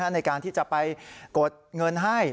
ในการที่จะไปกดเงินให้